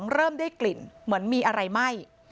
เริ่มได้กลิ่นเหมือนมีอะไรไหม้